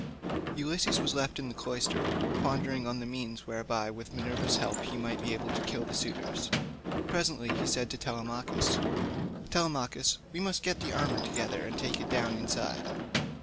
Ulysses was left in the cloister, pondering on the means whereby with Minerva's help he might be able to kill the suitors. Presently he said to Telemachus, "Telemachus, we must get the armour together and take it down inside.